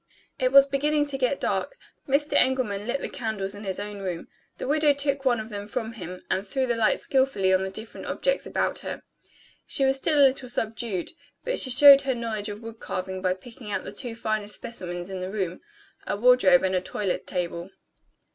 It was beginning to get dark. Mr. Engelman lit the candles in his own room. The widow took one of them from him, and threw the light skillfully on the different objects about her. She was still a little subdued; but she showed her knowledge of wood carving by picking out the two finest specimens in the room a wardrobe and a toilet table.